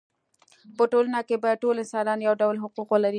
په ټولنه کې باید ټول انسانان یو ډول حقوق ولري.